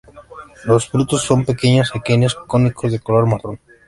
Los frutos son pequeños aquenios cónicos de color marrón.